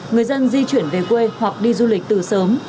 người dân di chuyển về quê hoặc đi du lịch từ sớm